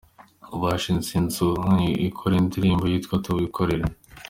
bashinze Inzu yabo ikora Indirimbo Yitwa Tuwikorere